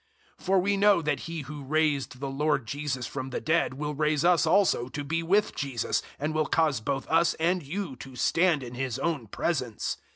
004:014 For we know that He who raised the Lord Jesus from the dead will raise us also to be with Jesus, and will cause both us and you to stand in His own presence.